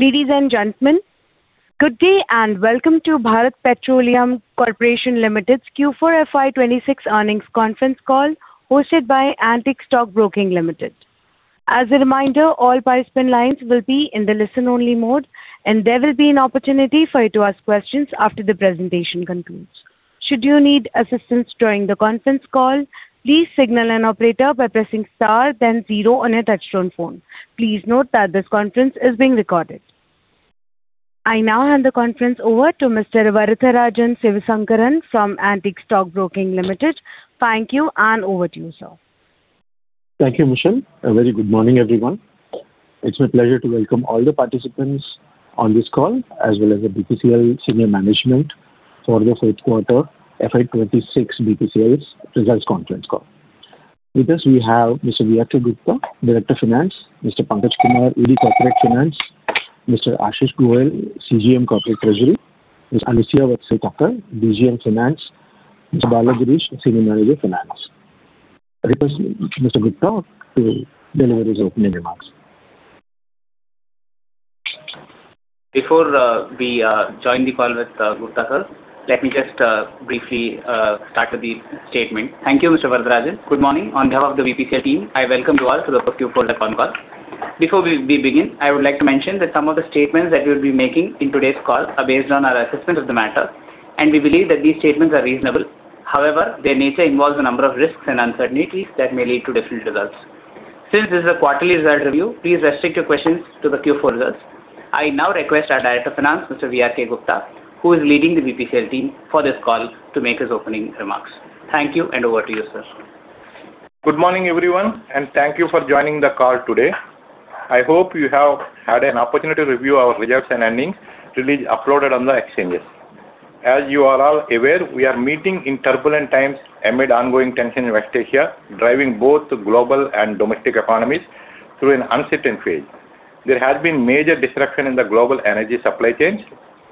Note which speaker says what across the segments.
Speaker 1: Ladies and gentlemen, good day and welcome to Bharat Petroleum Corporation Limited's Q4 FY 2026 earnings conference call hosted by Antique Stock Broking Limited. As a reminder, all participant lines will be in the listen-only mode, and there will be an opportunity for you to ask questions after the presentation concludes. I now hand the conference over to Mr. Varatharajan Sivasankaran from Antique Stock Broking Limited. Thank you, and over to you, sir.
Speaker 2: Thank you, Michelle. A very good morning, everyone. It's my pleasure to welcome all the participants on this call, as well as the BPCL senior management for the Q4 FY 2026 BPCL's results conference call. With us we have Mr. V.R.K. Gupta, Director of Finance, Mr. Pankaj Kumar, ED, Corporate Finance, Mr. Ashish Goyal, CGM, Corporate Treasury, Ms. Anushya V. Thakur, DGM, Finance, and Mr. Balagirish, J. Senior Manager, Finance. I request Mr. Gupta to deliver his opening remarks.
Speaker 3: Before we join the call with Gupta, sir, let me just briefly start with the statement. Thank you, Mr. Varatharajan. Good morning. On behalf of the BPCL team, I welcome you all to the Q4 earn call. Before we begin, I would like to mention that some of the statements that we'll be making in today's call are based on our assessment of the matter, and we believe that these statements are reasonable. However, their nature involves a number of risks and uncertainties that may lead to different results. Since this is a quarterly result review, please restrict your questions to the Q4 results. I now request our Director of Finance, Mr. V.R.K. Gupta, who is leading the BPCL team for this call, to make his opening remarks. Thank you, and over to you, sir.
Speaker 4: Good morning, everyone. Thank you for joining the call today. I hope you have had an opportunity to review our results and earnings released, uploaded on the exchanges. As you are all aware, we are meeting in turbulent times amid ongoing tension in West Asia, driving both the global and domestic economies through an uncertain phase. There has been major disruption in the global energy supply chains,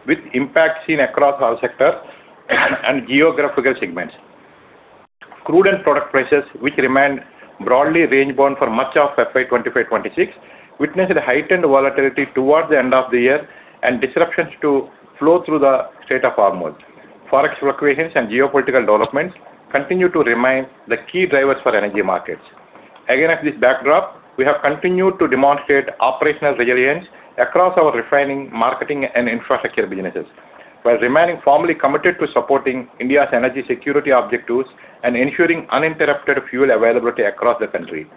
Speaker 4: with impacts seen across our sector and geographical segments. Crude and product prices, which remained broadly range-bound for much of FY 2025, 2026, witnessed heightened volatility towards the end of the year and disruptions to flow through the Strait of Hormuz. Forex fluctuations and geopolitical developments continue to remain the key drivers for energy markets. Against this backdrop, we have continued to demonstrate operational resilience across our refining, marketing and infrastructure businesses, while remaining firmly committed to supporting India's energy security objectives and ensuring uninterrupted fuel availability across the country.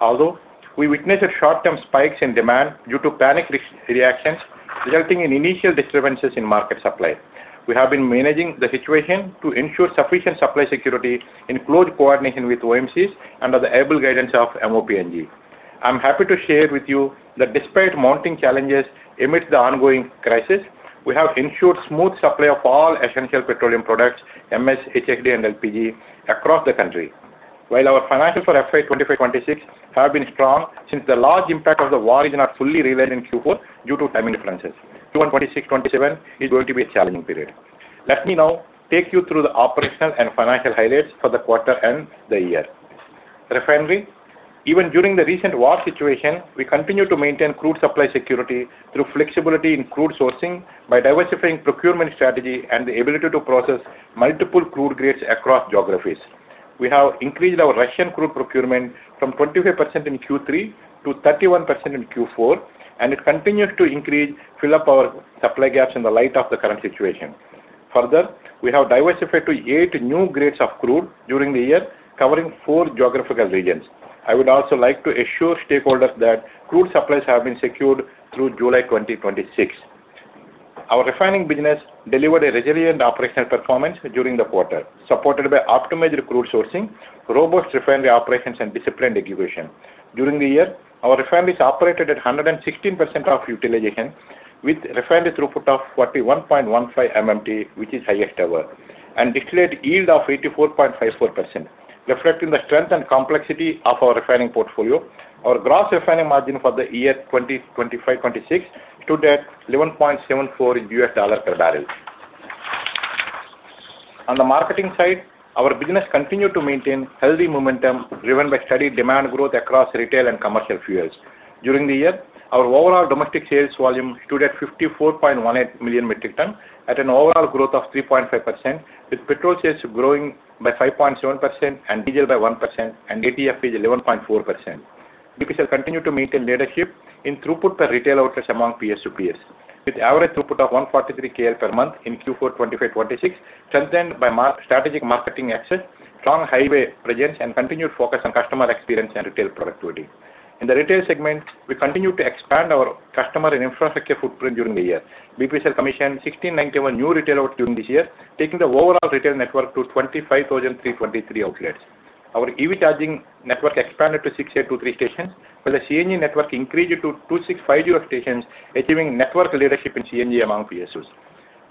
Speaker 4: Although we witnessed short-term spikes in demand due to panic re-reactions, resulting in initial disturbances in market supply, we have been managing the situation to ensure sufficient supply security in close coordination with OMCs under the able guidance of MoPNG. I'm happy to share with you that despite mounting challenges amidst the ongoing crisis, we have ensured smooth supply of all essential petroleum products, MS, HSD and LPG, across the country. While our financials for FY 2025, 2026 have been strong since the large impact of the war is not fully revealed in Q4 due to timing differences. June 2026, 2027 is going to be a challenging period. Let me now take you through the operational and financial highlights for the quarter and the year. Refinery. Even during the recent war situation, we continue to maintain crude supply security through flexibility in crude sourcing by diversifying procurement strategy and the ability to process multiple crude grades across geographies. We have increased our Russian crude procurement from 25% in Q3 to 31% in Q4, and it continued to increase, fill up our supply gaps in the light of the current situation. Further, we have diversified to eight new grades of crude during the year, covering four geographical regions. I would also like to assure stakeholders that crude supplies have been secured through July 2026. Our refining business delivered a resilient operational performance during the quarter, supported by optimized crude sourcing, robust refinery operations and disciplined execution. During the year, our refineries operated at 116% of utilization, with refinery throughput of 41.15 MMT, which is highest ever, and declared yield of 84.54%, reflecting the strength and complexity of our refining portfolio. Our gross refining margin for the year 2025, 2026 stood at $11.74 per barrel. On the marketing side, our business continued to maintain healthy momentum driven by steady demand growth across retail and commercial fuels. During the year, our overall domestic sales volume stood at 54.18 million metric ton at an overall growth of 3.5%, with petrol sales growing by 5.7% and diesel by 1% and ATF is 11.4%. BPCL continued to maintain leadership in throughput per retail outlets among PSUs, with average throughput of 143 KL per month in Q4 2025-2026, strengthened by strategic marketing access, strong highway presence, and continued focus on customer experience and retail productivity. In the retail segment, we continued to expand our customer and infrastructure footprint during the year. BPCL commissioned 1,691 new retail outlets during this year, taking the overall retail network to 25,323 outlets. Our EV charging network expanded to 623 stations, while the CNG network increased to 2,650 stations, achieving network leadership in CNG among PSUs.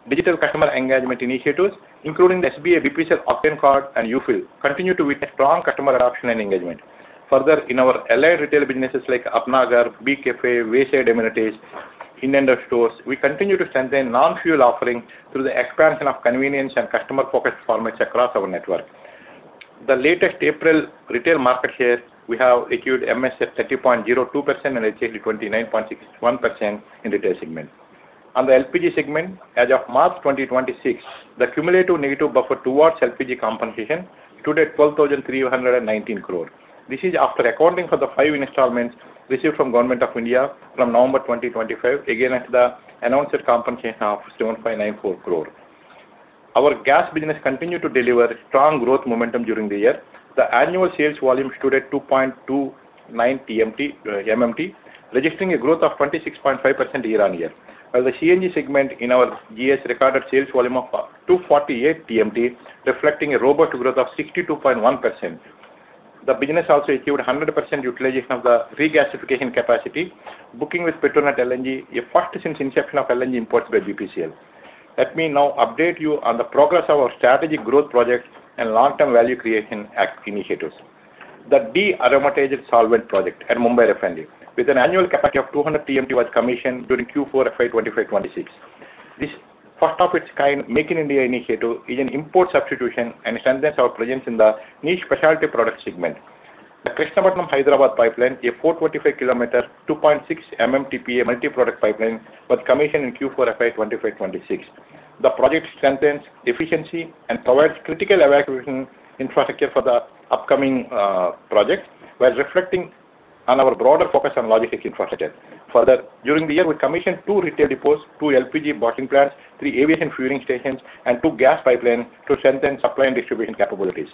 Speaker 4: Digital customer engagement initiatives, including the BPCL SBI Card OCTANE and UFill, continue to witness strong customer adoption and engagement. Further, in our allied retail businesses like Apna Ghar, Be Cafe, Wayside Amenities, In & Out stores, we continue to strengthen non-fuel offering through the expansion of convenience and customer-focused formats across our network. The latest April retail market share, we have achieved MS at 30.02% and HSD 29.61% in retail segment. On the LPG segment, as of March 2026, the cumulative negative buffer towards LPG compensation stood at 12,319 crore. This is after accounting for the five installments received from Government of India from November 2025, again at the announced compensation of 7.94 crore. Our gas business continued to deliver strong growth momentum during the year. The annual sales volume stood at 2.29 MMT, registering a growth of 26.5% year-on-year. The CNG segment in our GS recorded sales volume of 248 TMT, reflecting a robust growth of 62.1%. The business also achieved 100% utilization of the regasification capacity, booking with Petronet LNG, a first since inception of LNG imports by BPCL. Let me now update you on the progress of our strategic growth projects and long-term value creation initiatives. The dearomatized solvent project at Mumbai Refinery, with an annual capacity of 200 TMT, was commissioned during Q4 FY 2025-2026. This first of its kind Make in India initiative is an import substitution and strengthens our presence in the niche specialty product segment. The Krishnapatnam-Hyderabad Pipeline, a 445 km, 2.6 MMTPA multi-product pipeline, was commissioned in Q4 FY 2025-2026. The project strengthens efficiency and provides critical evacuation infrastructure for the upcoming projects, while reflecting on our broader focus on logistics infrastructure. Further, during the year, we commissioned two retail depots, two LPG bottling plants, three aviation fueling stations, and two gas pipelines to strengthen supply and distribution capabilities.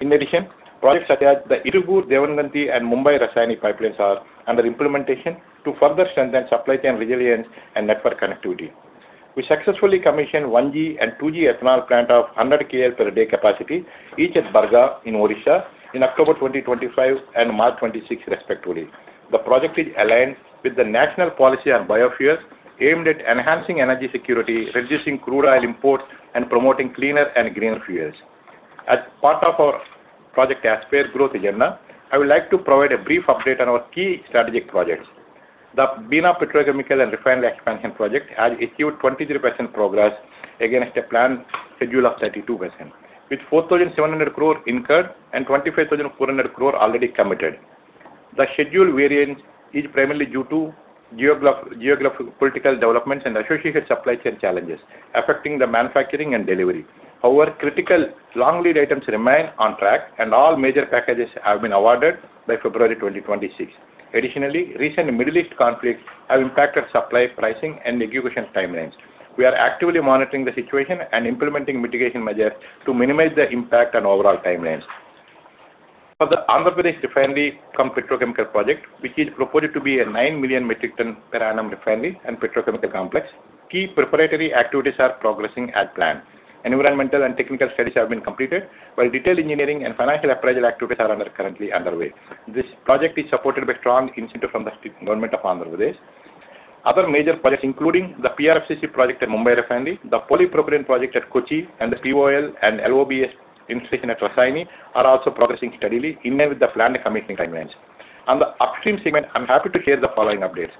Speaker 4: In addition, projects such as the Irugur, Devangonthi, and Mumbai-Rasayani pipelines are under implementation to further strengthen supply chain resilience and network connectivity. We successfully commissioned 1G and 2G ethanol plant of 100 KL per day capacity, each at Bargarh in Odisha in October 2025 and March 2026 respectively. The project is aligned with the national policy on biofuels aimed at enhancing energy security, reducing crude oil imports, and promoting cleaner and greener fuels. As part of our Project Aspire growth agenda, I would like to provide a brief update on our key strategic projects. The Bina Petrochemical and Refinery Expansion Project has achieved 23% progress against a planned schedule of 32%, with 4,700 crore incurred and 25,400 crore already committed. The schedule variance is primarily due to geopolitical developments and associated supply chain challenges affecting the manufacturing and delivery. Critical long lead items remain on track, and all major packages have been awarded by February 2026. Recent Middle East conflicts have impacted supply, pricing, and execution timelines. We are actively monitoring the situation and implementing mitigation measures to minimize the impact on overall timelines. For the Andhra Pradesh Refinery cum Petrochemical Project, which is purported to be a 9 million metric ton per annum refinery and petrochemical complex, key preparatory activities are progressing as planned. Environmental and technical studies have been completed, while detailed engineering and financial appraisal activities are currently underway. This project is supported by strong incentive from the Government of Andhra Pradesh. Other major projects, including the PRFCC project at Mumbai Refinery, the polypropylene project at Kochi, and the POL and LOBS installation at Rasayani, are also progressing steadily in line with the planned commissioning timelines. On the upstream segment, I'm happy to share the following updates.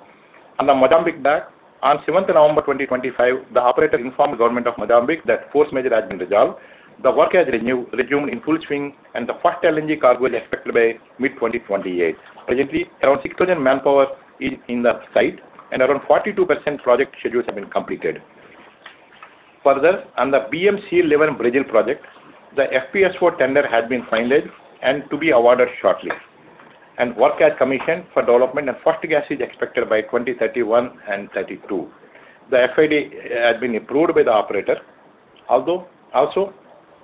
Speaker 4: On the Mozambique block, on November 7th, 2025, the operator informed the Government of Mozambique that force majeure has been resolved. The work has resumed in full swing, and the first LNG cargo is expected by mid-2028. Presently, around 6,000 manpower is in the site, and around 42% project schedules have been completed. On the BM-SEAL-11 Brazil project, the FPSO tender has been finalized and to be awarded shortly. Work has commenced for development, and first gas is expected by 2031 and 2032. The FID has been approved by the operator.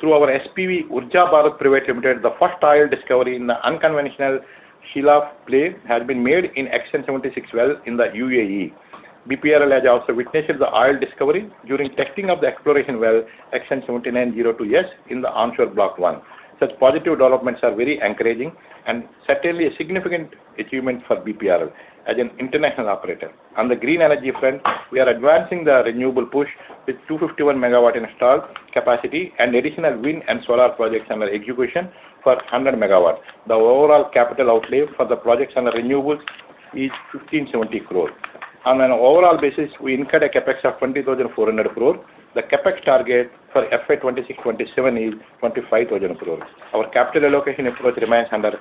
Speaker 4: Through our SPV, Urja Bharat Pte Limited, the first oil discovery in the unconventional Shilaif play has been made in SN76 well in the U.A.E. BPCL has also witnessed the oil discovery during testing of the exploration well SN7902S in the Onshore Block 1. Such positive developments are very encouraging and certainly a significant achievement for BPCL as an international operator. On the green energy front, we are advancing the renewable push with 251 MW installed capacity and additional wind and solar projects under execution for 100 MW. The overall capital outlay for the projects under renewables is 1,570 crore. On an overall basis, we incurred a CapEx of 20,400 crore. The CapEx target for FY 2026, 2027 is 25,000 crore. Our capital allocation approach remains under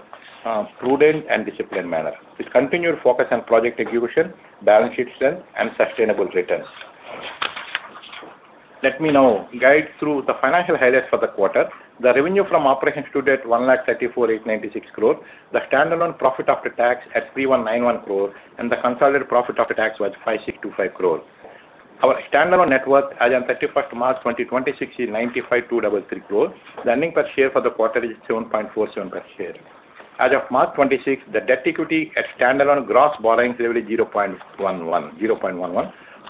Speaker 4: prudent and disciplined manner. This continued focus on project execution, balance sheet strength, and sustainable returns. Let me now guide through the financial highlights for the quarter. The revenue from operations stood at 1,34,896 crore. The standalone profit after tax at 3,191 crore, and the consolidated profit after tax was 5,625 crore. Our standalone net worth as at March 31, 2026 is 95,233 crore. The earning per share for the quarter is 7.47 per share. As of March 2026, the debt equity at standalone gross borrowings level 0.11.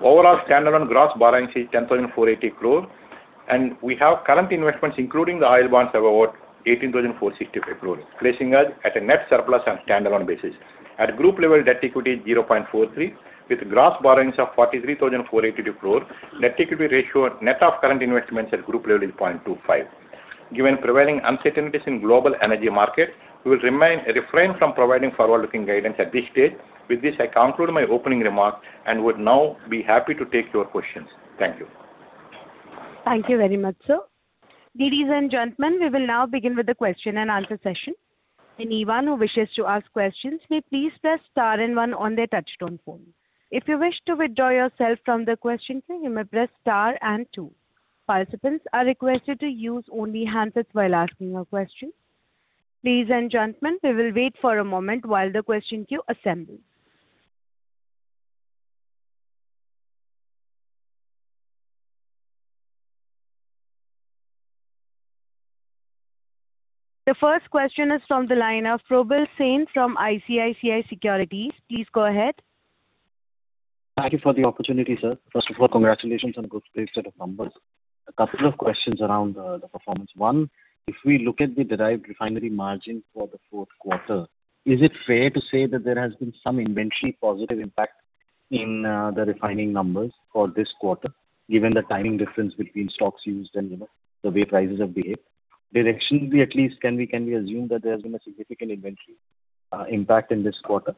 Speaker 4: Overall standalone gross borrowings is 10,480 crore. We have current investments, including the oil bonds, of about 18,465 crore, placing us at a net surplus on standalone basis. At group level, debt equity is 0.43, with gross borrowings of 43,482 crore. Net equity ratio net of current investments at group level is 0.25. Given prevailing uncertainties in global energy market, we will refrain from providing forward-looking guidance at this stage. With this, I conclude my opening remarks and would now be happy to take your questions. Thank you.
Speaker 1: Thank you very much, sir. Ladies and gentlemen, we will now begin with the question and answer session. The first question is from the line of Probal Sen from ICICI Securities. Please go ahead.
Speaker 5: Thank you for the opportunity, sir. First of all, congratulations on a good set of numbers. A couple of questions around the performance. One, if we look at the derived refinery margin for the Q4, is it fair to say that there has been some inventory positive impact in the refining numbers for this quarter, given the timing difference between stocks used and, you know, the way prices have behaved? Directionally, at least can we assume that there has been a significant inventory impact in this quarter?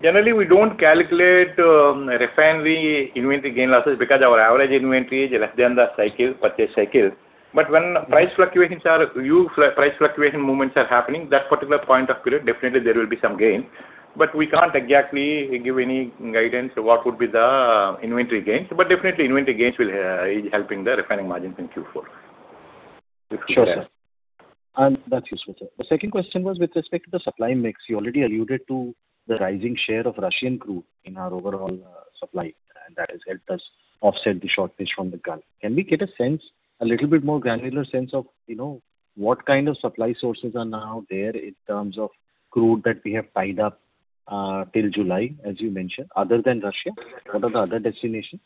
Speaker 4: Generally, we don't calculate refinery inventory gain losses because our average inventory is less than the cycle, purchase cycle. When price fluctuations are huge price fluctuation movements are happening, that particular point of period, definitely there will be some gain. We can't exactly give any guidance what would be the inventory gains. Definitely inventory gains will helping the refining margins in Q4.
Speaker 5: Sure, sir. That's useful, sir. The second question was with respect to the supply mix. You already alluded to the rising share of Russian crude in our overall supply, and that has helped us offset the shortage from the Gulf. Can we get a sense, a little bit more granular sense of, you know, what kind of supply sources are now there in terms of crude that we have tied up till July, as you mentioned, other than Russia? What are the other destinations?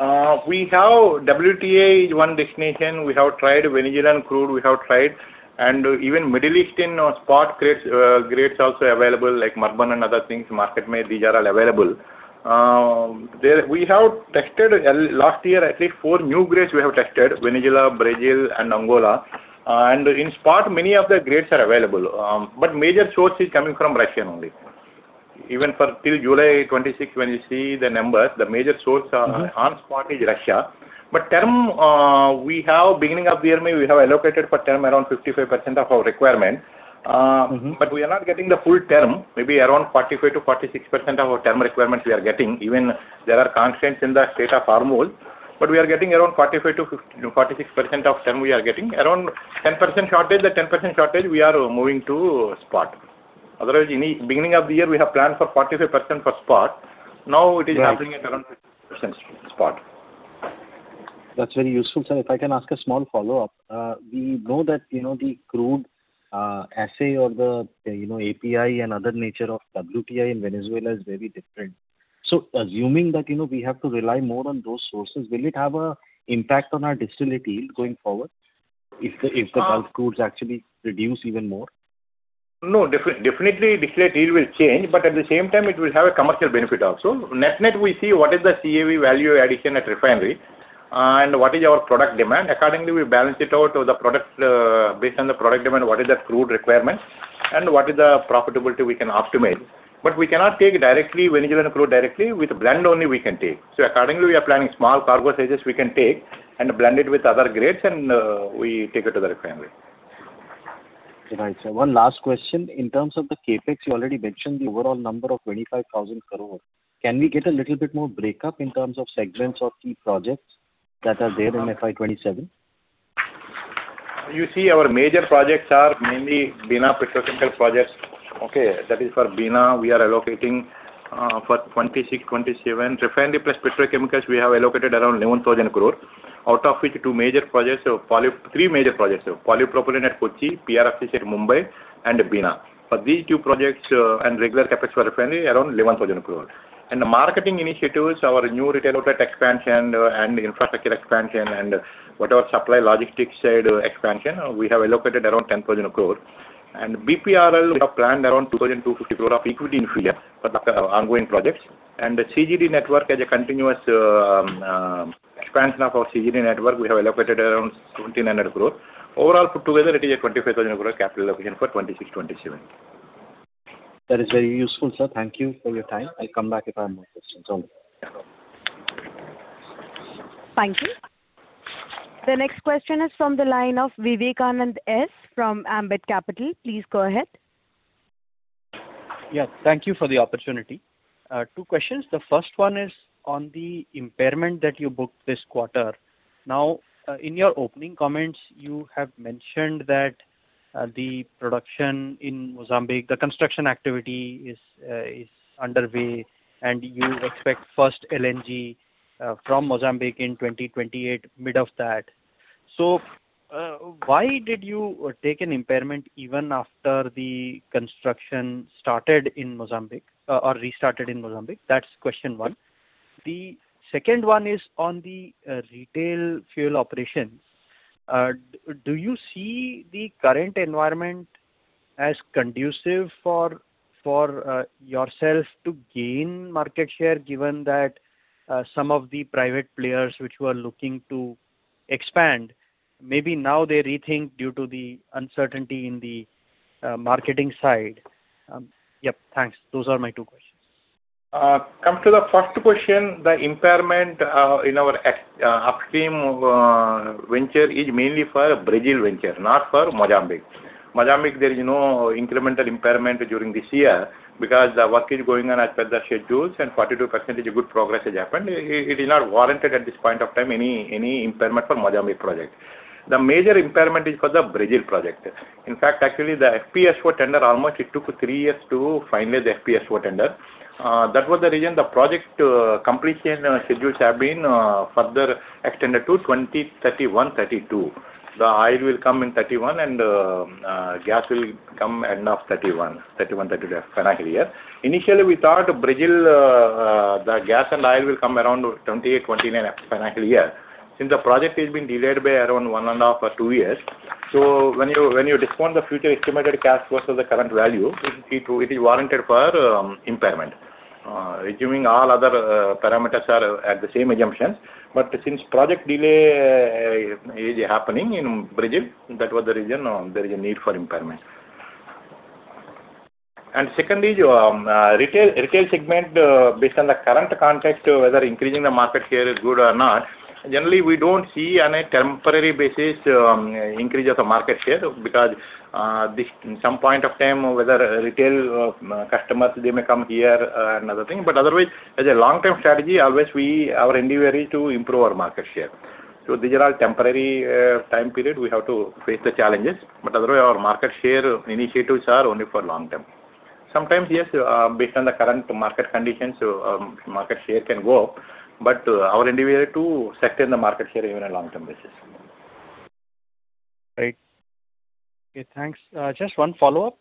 Speaker 4: We have WTI is one destination. We have tried Venezuelan crude, we have tried even Middle Eastern spot grades also available, like Murban and other things, Market Made, these are all available. There we have tested last year, at least four new grades we have tested, Venezuela, Brazil, and Angola. In spot, many of the grades are available. Major source is coming from Russia only. Even for till July 2026, when you see the numbers, the major source on spot is Russia. Term, we have beginning of the year, maybe we have allocated for term around 55% of our requirement. We are not getting the full term. Maybe around 45%-46% of our term requirements we are getting. Even there are constraints in the Strait of Hormuz, but we are getting around 45%-46% of term we are getting. Around 10% shortage, the 10% shortage we are moving to spot. Beginning of the year, we have planned for 45% for spot now it's-
Speaker 5: Right.
Speaker 4: -happening at around 50% spot.
Speaker 5: That's very useful, sir. If I can ask a small follow-up. We know that, you know, the crude assay or the, you know, API and other nature of WTI in Venezuela is very different. Assuming that, you know, we have to rely more on those sources, will it have a impact on our distillate yield going forward? Is Gulf crudes actually reduce even more?
Speaker 4: No, definitely distillate yield will change, but at the same time it will have a commercial benefit also. Net-net, we see what is the CAV value addition at refinery, and what is our product demand. Accordingly, we balance it out to the product, based on the product demand, what is the crude requirement, and what is the profitability we can optimize. But we cannot take directly Venezuelan crude directly. With blend only we can take. Accordingly, we are planning small cargo sizes we can take and blend it with other grades and, we take it to the refinery.
Speaker 5: Right, sir. One last question. In terms of the CapEx, you already mentioned the overall number of 25,000 crore. Can we get a little bit more breakup in terms of segments or key projects that are there in FY 2027?
Speaker 4: You see our major projects are mainly Bina Petrochemical Complex projects. Okay? That is for Bina, we are allocating for 2026-2027. Refinery plus petrochemicals, we have allocated around 11,000 crore. Out of which two major projects, three major projects. Polypropylene at Kochi, PRFCC at Mumbai and Bina. For these two projects, and regular CapEx for refinery, around 11,000 crore. Marketing initiatives, our new retail outlet expansion and infrastructure expansion and whatever supply logistics side expansion, we have allocated around 10,000 crore. BPRL, we have planned around 2,250 crore of equity infusion for the ongoing projects. The CGD network, as a continuous expansion of our CGD network, we have allocated around 2,900 crore. Overall, put together it is a 25,000 crore capital allocation for 2026-2027.
Speaker 5: That is very useful, sir. Thank you for your time. I'll come back if I have more questions on it.
Speaker 1: Thank you. The next question is from the line of Vivekanand S. from Ambit Capital. Please go ahead.
Speaker 6: Yeah, thank you for the opportunity. Two questions. The first one is on the impairment that you booked this quarter. Now, in your opening comments, you have mentioned that the production in Mozambique, the construction activity is underway, and you expect first LNG from Mozambique in 2028, mid of that. Why did you take an impairment even after the construction started in Mozambique, or restarted in Mozambique? That's question one. The second one is on the retail fuel operations. Do you see the current environment as conducive for yourself to gain market share, given that some of the private players which were looking to expand, maybe now they rethink due to the uncertainty in the marketing side. Yep, thanks. Those are my two questions.
Speaker 4: Come to the first question, the impairment in our upstream venture is mainly for Brazil venture, not for Mozambique. Mozambique, there is no incremental impairment during this year because the work is going on as per the schedules, and 42% is a good progress has happened. It is not warranted at this point of time any impairment for Mozambique project. The major impairment is for the Brazil project. In fact, actually, the FPSO tender almost it took three years to finalize the FPSO tender. That was the reason the project completion schedules have been further extended to 2031, 2032. The oil will come in 2031 and gas will come end of 2031, 2032 financial year. Initially, we thought Brazil, the gas and oil will come around 2028, 2029 financial year. Since the project has been delayed by around one and a half or two years, when you discount the future estimated cash flows to the current value, it is warranted for impairment. Assuming all other parameters are at the same assumptions, since project delay is happening in Brazil, that was the reason there is a need for impairment. Secondly is retail segment, based on the current context whether increasing the market share is good or not. Generally, we don't see on a temporary basis increase of the market share because this some point of time whether retail customers they may come here and other thing. Otherwise, as a long-term strategy, always we our endeavor is to improve our market share. These are all temporary, time period we have to face the challenges, but otherwise our market share initiatives are only for long term. Sometimes, yes, based on the current market conditions, market share can go up, but our endeavor to sustain the market share even in long-term basis.
Speaker 6: Right. Okay, thanks. Just one follow-up.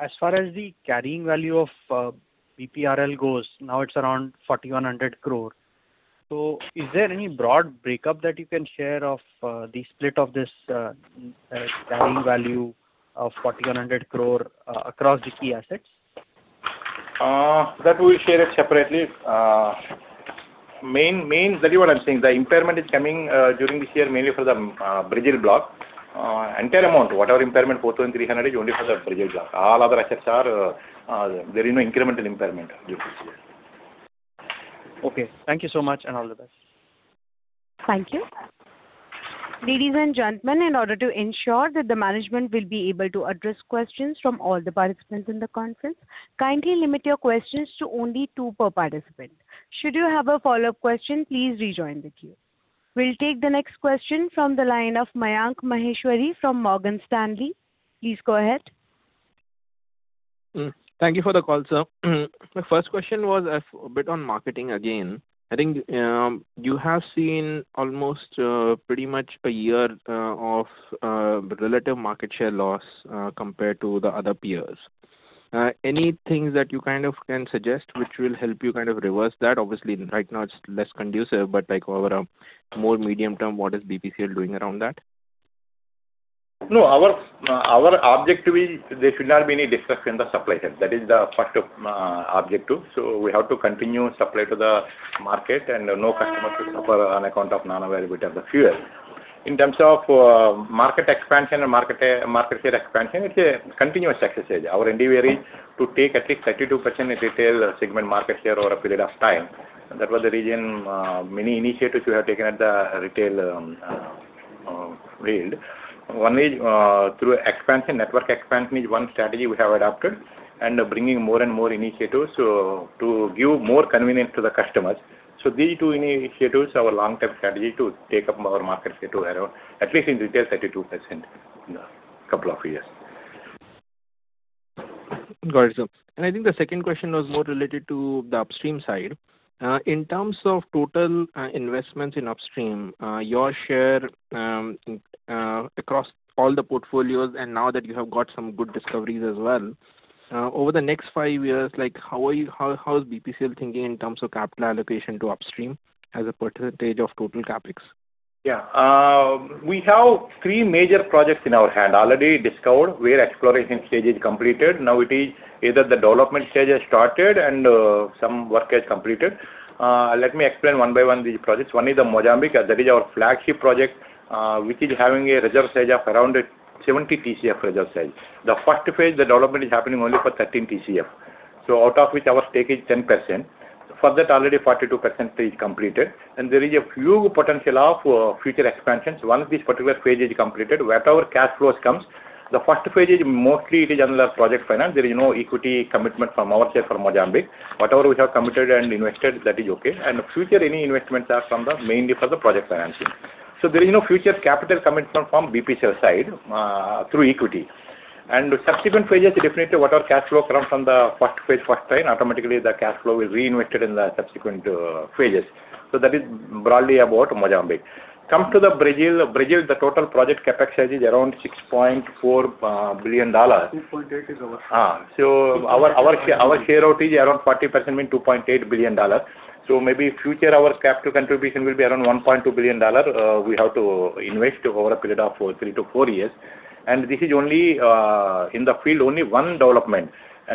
Speaker 6: As far as the carrying value of BPRL goes, now it's around 4,100 crore. Is there any broad breakup that you can share of the split of this carrying value of 4,100 crore across the key assets?
Speaker 4: That we'll share it separately. Main value add I'm saying, the impairment is coming during this year mainly for the Brazil block. Entire amount, whatever impairment, 4,300 is only for the Brazil block. All other assets are, there is no incremental impairment due to this year.
Speaker 6: Okay. Thank you so much, and all the best.
Speaker 1: Thank you. Ladies and gentlemen, in order to ensure that the management will be able to address questions from all the participants in the conference, kindly limit your questions to only two per participant. Should you have a follow-up question, please rejoin the queue. We will take the next question from the line of Mayank Maheshwari from Morgan Stanley. Please go ahead.
Speaker 7: Thank you for the call, sir. My first question was a bit on marketing again. I think you have seen almost pretty much a year of relative market share loss compared to the other peers. Anything that you kind of can suggest which will help you kind of reverse that? Obviously, right now it's less conducive, but like over a more medium term, what is BPCL doing around that?
Speaker 4: Our objective is there should not be any disruption in the supply chain. That is the first objective. We have to continue supply to the market and no customer should suffer on account of non-availability of the fuel. In terms of market expansion and market share expansion, it's a continuous exercise. Our endeavor is to take at least 32% in retail segment market share over a period of time. That was the reason many initiatives we have taken at the retail field. One is through expansion, network expansion is one strategy we have adopted and bringing more and more initiatives to give more convenience to the customers. These two initiatives are our long-term strategy to take up our market share to around, at least in retail, 32% in a couple of years.
Speaker 7: Got it, sir. I think the second question was more related to the upstream side. In terms of total investments in upstream, your share across all the portfolios and now that you have got some good discoveries as well, over the next five years, like how is BPCL thinking in terms of capital allocation to upstream as a percentage of total CapEx?
Speaker 4: Yeah. We have three major projects in our hand already discovered where exploration stage is completed. Now it is either the development stage has started and some work has completed. Let me explain one by one these projects. One is the Mozambique, that is our flagship project, which is having a reserve size of around 70 TCF reserve size. The first phase, the development is happening only for 13 TCF, out of which our stake is 10%. For that already 42% is completed, and there is a huge potential of future expansions. Once this particular phase is completed, whatever cash flows comes, the first phase is mostly it is under project finance. There is no equity commitment from our side for Mozambique. Whatever we have committed and invested, that is okay. Future any investments are from the mainly for the project financing. There is no future capital commitment from BPCL side through equity. Subsequent phases definitely whatever cash flow comes from the first phase first time, automatically the cash flow is reinvested in the subsequent phases. That is broadly about Mozambique. Come to the Brazil. Brazil, the total project CapEx size is around $6.4 billion.
Speaker 3: $2.8 billion is our share.
Speaker 4: Our share out is around 40% mean $2.8 billion. Maybe future our capital contribution will be around $1.2 billion, we have to invest over a period of 3-4 years. This is only in the field, only one development.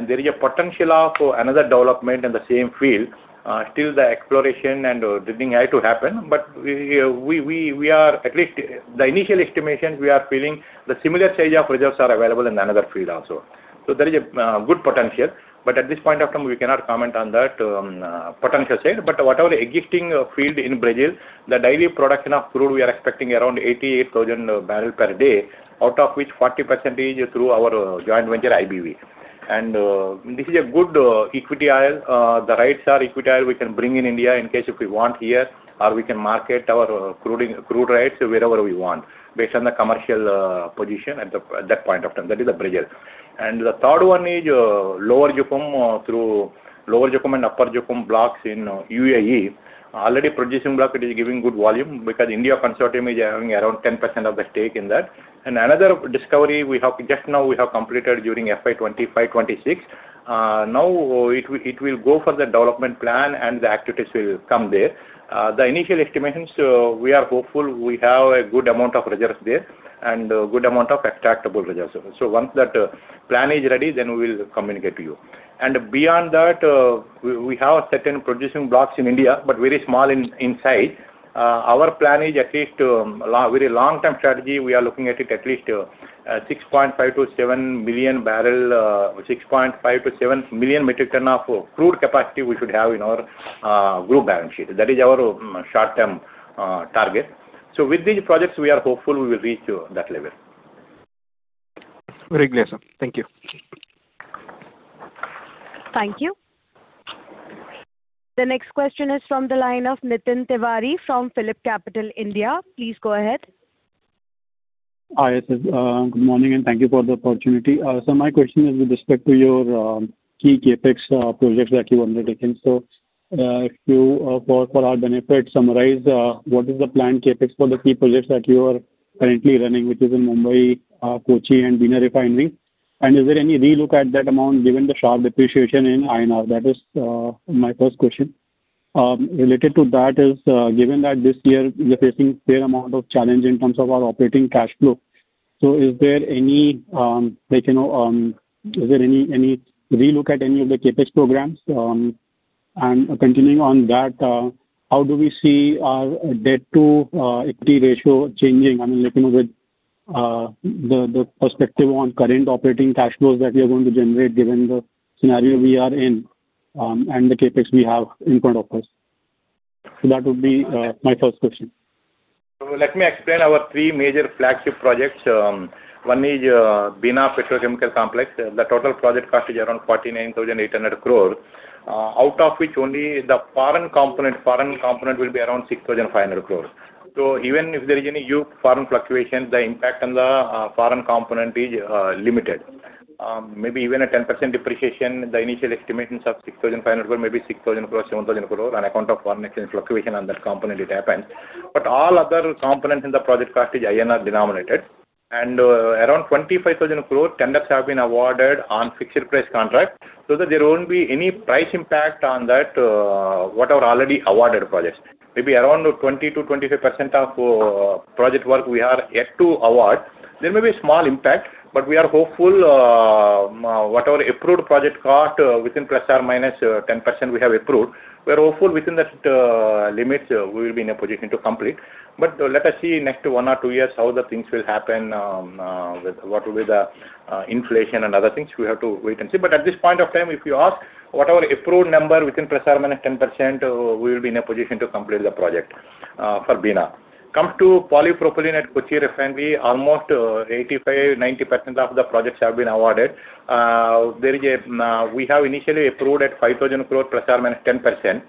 Speaker 4: There is a potential of another development in the same field. Still the exploration and drilling has to happen, but we are at least the initial estimations we are feeling the similar stage of reserves are available in another field also. There is a good potential, but at this point of time we cannot comment on that potential side. Whatever existing field in Brazil, the daily production of crude, we are expecting around 88,000 barrel per day, out of which 40% is through our joint venture IBV. This is a good equity oil. The rights are equity oil we can bring in India in case if we want here, or we can market our crude rights wherever we want based on the commercial position at that point of time. That is the Brazil. The third one is Lower Zakum through Lower Zakum and Upper Zakum blocks in U.A.E. Already producing block it is giving good volume because India consortium is having around 10% of the stake in that. Another discovery we have just now we have completed during FY 2025, 2026. Now it will go for the development plan and the activities will come there. The initial estimations, we are hopeful we have a good amount of reserves there and a good amount of extractable reserves. Once that plan is ready, then we will communicate to you. Beyond that, we have certain producing blocks in India, but very small in size. Our plan is at least, very long-term strategy, we are looking at it at least, 6.5 Bbl-7 Bbl, 6.5 million metric ton-7 million metric ton of crude capacity we should have in our group balance sheet. That is our short-term target. With these projects, we are hopeful we will reach that level.
Speaker 7: Very clear, sir. Thank you.
Speaker 1: Thank you. The next question is from the line of Nitin Tiwari from PhillipCapital India. Please go ahead.
Speaker 8: Hi. Good morning. Thank you for the opportunity. My question is with respect to your key CapEx projects that you have undertaken. If you for our benefit summarize what is the planned CapEx for the key projects that you are currently running, which is in Mumbai, Kochi and Bina Refinery. Is there any relook at that amount given the sharp depreciation in INR? That is my first question. Related to that is given that this year we are facing fair amount of challenge in terms of our operating cash flow. Is there any, like, you know, is there any relook at any of the CapEx programs? Continuing on that, how do we see our debt to equity ratio changing? I mean, like, you know, with the perspective on current operating cash flows that we are going to generate given the scenario we are in, and the CapEx we have in front of us, that would be my first question.
Speaker 4: Let me explain our three major flagship projects. One is Bina Petrochemical Complex. The total project cost is around 49,800 crore. Out of which only the foreign component will be around 6,500 crore. Even if there is any huge foreign fluctuation, the impact on the foreign component is limited. Maybe even a 10% depreciation, the initial estimations of 6,500 crore, maybe 6,000 crore, 7,000 crore on account of foreign exchange fluctuation on that component it happens. All other components in the project cost is INR denominated. Around 25,000 crore tenders have been awarded on fixed price contract, so that there won't be any price impact on that, what are already awarded projects. Maybe around 20%-25% of project work we are yet to award. There may be small impact, we are hopeful whatever approved project cost within ±10% we have approved, we are hopeful within that limits we will be in a position to complete. Let us see next one or two years how the things will happen with what will be the inflation and other things. We have to wait and see. At this point of time, if you ask whatever approved number within ±10%, we will be in a position to complete the project for Bina. Comes to polypropylene at Kochi Refinery, almost 85%, 90% of the projects have been awarded. We have initially approved at 5,000 crore ±10%.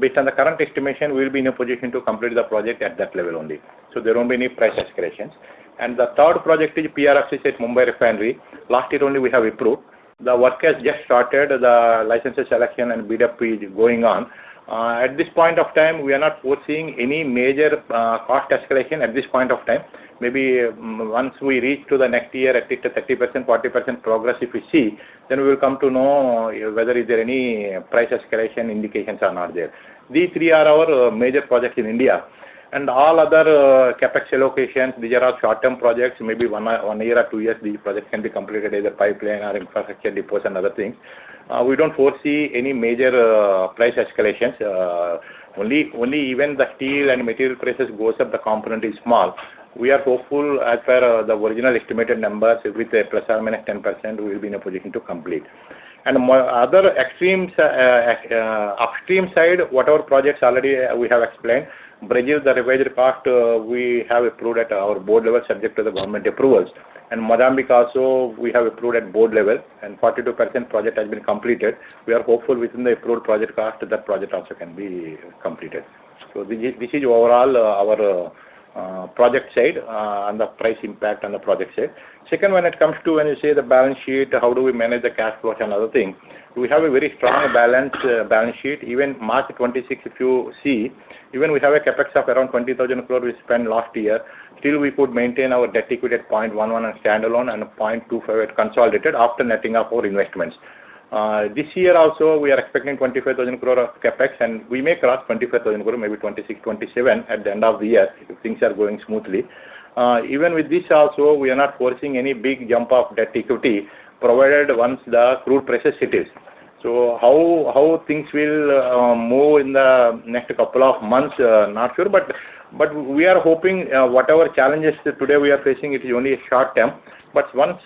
Speaker 4: Based on the current estimation, we will be in a position to complete the project at that level only. There won't be any price escalations. The third project is PRFCC at Mumbai Refinery. Last year only we have approved. The work has just started. The license selection and bid up is going on. At this point of time, we are not foreseeing any major cost escalation at this point of time. Maybe once we reach to the next year, at least a 30%, 40% progress if we see, then we will come to know whether is there any price escalation indications are not there. These three are our major projects in India. All other CapEx allocations, these are our short-term projects. Maybe one year or two years, these projects can be completed as a pipeline or infrastructure depots and other things. We don't foresee any major price escalations. Only even the steel and material prices goes up, the component is small. We are hopeful as per the original estimated numbers with a ±10% we will be in a position to complete. Other extremes, upstream side, whatever projects already we have explained, Brazil, the revised cost we have approved at our board level subject to the Government approvals. Mozambique also we have approved at board level, and 42% project has been completed. We are hopeful within the approved project cost that project also can be completed. This is overall our project side, and the price impact on the project side. When it comes to when you say the balance sheet, how do we manage the cash flow and other thing, we have a very strong balance sheet. Even March 2026, if you see, even we have a CapEx of around 20,000 crore we spent last year, still we could maintain our debt-equity at 0.11 on standalone and 0.25 at consolidated after netting up our investments. This year also we are expecting 25,000 crore of CapEx, and we may cross 25,000 crore, maybe 26,000 crore, 27,000 crore at the end of the year if things are going smoothly. Even with this also, we are not forcing any big jump of debt equity provided once the crude prices settles. How things will move in the next couple of months, not sure. We are hoping, whatever challenges today we are facing, it is only short term. Once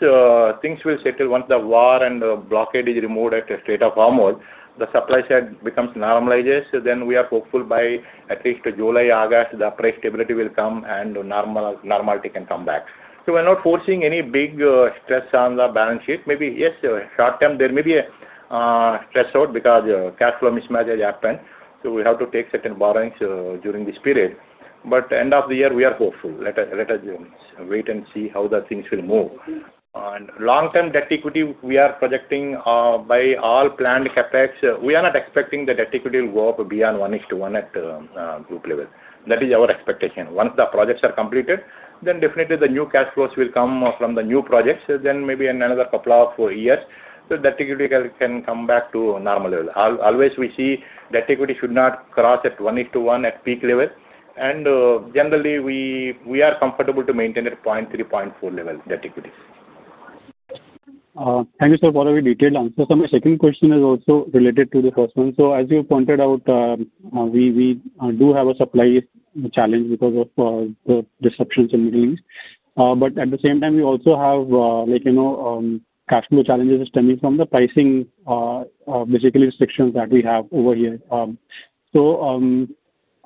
Speaker 4: things will settle, once the war and the blockade is removed at state of normalcy, the supply side becomes normalizes, then we are hopeful by at least July, August, the price stability will come and normality can come back. We're not forcing any big stress on the balance sheet. Maybe, yes, short term there may be a stress out because cash flow mismatch has happened, so we have to take certain borrowings during this period. End of the year we are hopeful. Let us wait and see how the things will move. Long-term debt equity we are projecting by all planned CapEx. We are not expecting the debt equity will go up beyond 1:1 at group level. That is our expectation. Once the projects are completed, definitely the new cash flows will come from the new projects. Maybe in another couple of four years the debt equity can come back to normal level. Always we see debt equity should not cross at 1:1 at peak level. Generally we are comfortable to maintain at 0.3, 0.4 level debt equity.
Speaker 8: Thank you, sir, for the detailed answer. My second question is also related to the first one. As you pointed out, we do have a supply challenge because of the disruptions in Middle East. At the same time, we also have, like, you know, cash flow challenges stemming from the pricing, basically restrictions that we have over here. I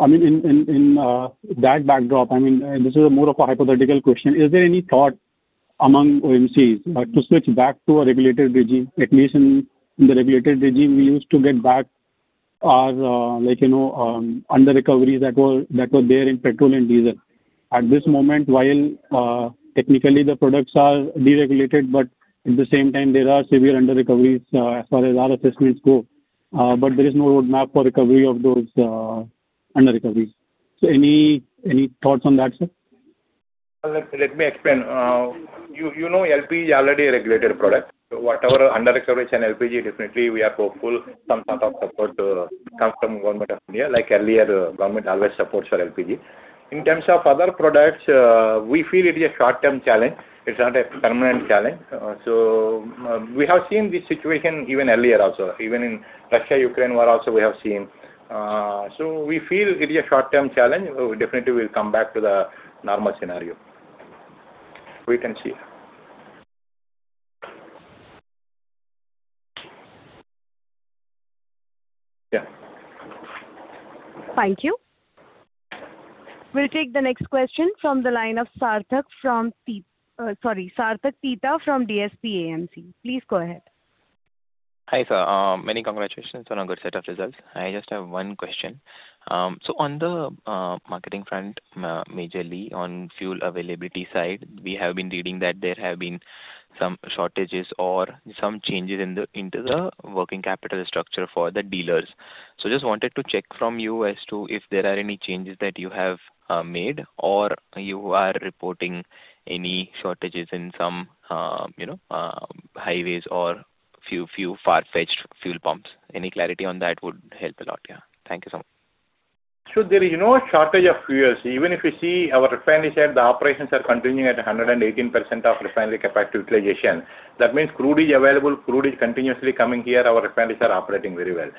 Speaker 8: mean, in that backdrop, I mean, this is more of a hypothetical question. Is there any thought among OMCs to switch back to a regulated regime? At least in the regulated regime, we used to get back our, like, you know, under recoveries that were there in petrol and diesel. At this moment, while, technically the products are deregulated, but at the same time, there are severe under recoveries, as far as our assessments go, but there is no roadmap for recovery of those, under recoveries. Any thoughts on that, sir?
Speaker 4: Let me explain. You know LPG is already a regulated product. Whatever under recovery said LPG, definitely we are hopeful some sort of support comes from Government of India. Earlier, government always supports for LPG. In terms of other products, we feel it is a short-term challenge. It's not a permanent challenge. We have seen this situation even earlier also. Even in Russia, Ukraine war also we have seen. We feel it is a short-term challenge. Definitely we'll come back to the normal scenario. Wait and see. Yeah.
Speaker 1: Thank you. We'll take the next question from the line of Sarthak Tita from DSP AMC. Please go ahead.
Speaker 9: Hi, sir. Many congratulations on a good set of results. I just have one question. On the marketing front, majorly on fuel availability side, we have been reading that there have been some shortages or some changes into the working capital structure for the dealers. Just wanted to check from you as to if there are any changes that you have made or you are reporting any shortages in some, you know, highways or few far-fetched fuel pumps. Any clarity on that would help a lot. Thank you so much.
Speaker 4: There is no shortage of fuels. Even if you see our refinery side, the operations are continuing at 118% of refinery capacity utilization. That means crude is available, crude is continuously coming here, our refineries are operating very well.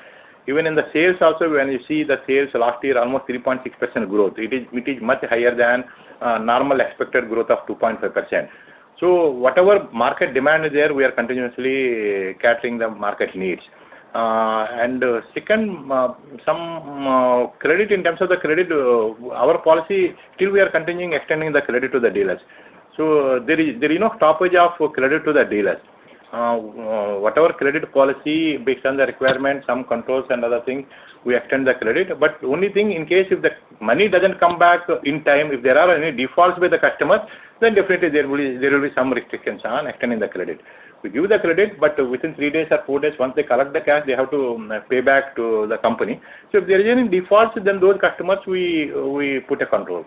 Speaker 4: Even in the sales also, when you see the sales last year, almost 3.6% growth. It is much higher than normal expected growth of 2.5%. Whatever market demand is there, we are continuously catering the market needs. Second, some credit in terms of the credit, our policy, still we are continuing extending the credit to the dealers. There is no stoppage of credit to the dealers. Whatever credit policy based on the requirement, some controls and other things, we extend the credit. Only thing, in case if the money doesn't come back in time, if there are any defaults by the customers, definitely there will be some restrictions on extending the credit. We give the credit, within three days or four days, once they collect the cash, they have to pay back to the company. If there is any defaults, those customers we put a control.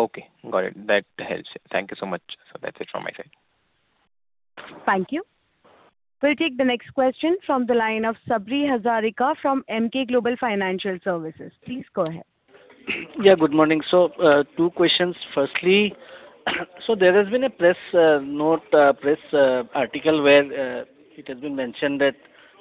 Speaker 9: Okay. Got it. That helps. Thank you so much, sir. That's it from my side.
Speaker 1: Thank you. We'll take the next question from the line of Sabri Hazarika from Emkay Global Financial Services. Please go ahead.
Speaker 10: Good morning. Two questions. There has been a press note, a press article where it has been mentioned that,